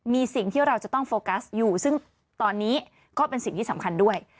มีสิ่งที่เราจะต้องโฟกัสอยู่ซึ่งตอนนี้ก็เป็นสิ่งที่สำคัญด้วย